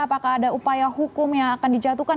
apakah ada upaya hukum yang akan dijatuhkan